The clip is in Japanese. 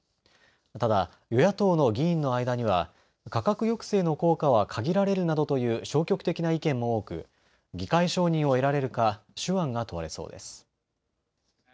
ただ与野党の議員の間には価格抑制の効果は限られるなどという消極的な意見も多く議会承認を得られるか手腕が問われそうです。